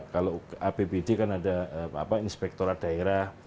kalau apbd kan ada inspektorat daerah